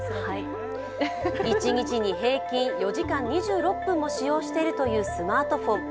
一日に平均４時間２６分も使用しているというスマートフォン。